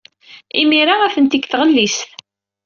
Imir-a, atenti deg tɣellist.